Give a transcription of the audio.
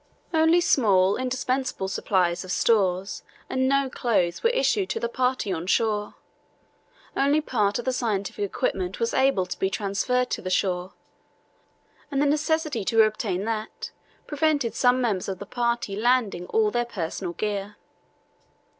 Only small, indispensable supplies of stores and no clothes were issued to the party on shore. Only part of the scientific equipment was able to be transferred to the shore, and the necessity to obtain that prevented some members of the party landing all their personal gear.